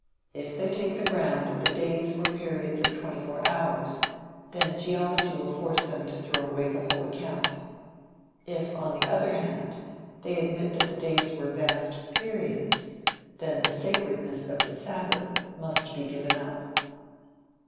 If they take the ground that the "days" were periods of twenty four hours, then geology will force them to throw away the whole account. If, on the other hand, they admit that the days were vast "periods," then the sacredness of the sabbath must be given up.